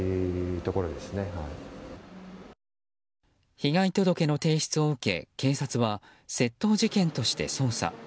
被害届の提出を受け警察は窃盗事件として捜査。